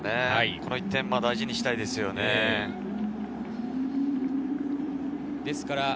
この１点は大事にしたいですよね。